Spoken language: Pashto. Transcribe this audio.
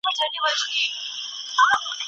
راجرګه کړه پښتانه هسکه خیبره!